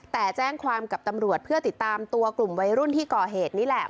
แต่แจ้งความกับตำรวจเพื่อติดตามตัวกลุ่มวัยรุ่นที่ก่อเหตุนี่แหละ